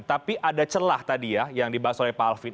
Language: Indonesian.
tapi ada celah tadi ya yang dibahas oleh pak alvin